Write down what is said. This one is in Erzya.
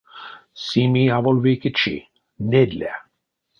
Сими аволь вейке чи — недля.